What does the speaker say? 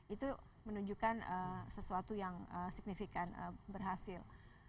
itu menunjukkan sesuatu yang signifikan berhasil